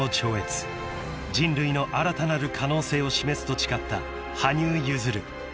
［人類の新たなる可能性を示すと誓った羽生結弦］